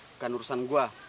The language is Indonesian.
bukan urusan gue